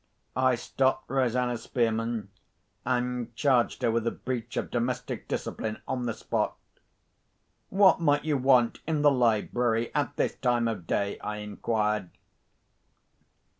I stopped Rosanna Spearman, and charged her with a breach of domestic discipline on the spot. "What might you want in the library at this time of day?" I inquired.